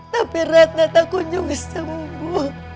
tapi ratna tak kunjungi semua